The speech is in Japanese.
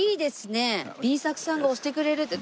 Ｂ作さんが押してくれるって。